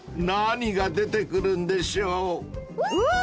［何が出てくるんでしょう？］